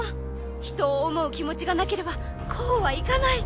人を思う気持ちがなければこうはいかない！